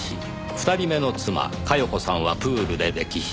２人目の妻加世子さんはプールで溺死。